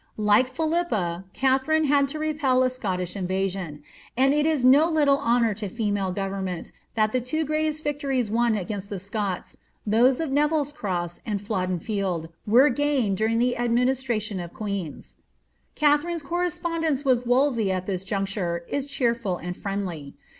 Like Philippe, Katharine had to lepel a Scottish invasion ; and it is no little honour to female government that the two greatest victories won against the Scots, those of Neville's Cross and Flodden Field, were gained during the administration of queens. Katharine's correspondence with Wolsey at this juncture is cheerful and friendly.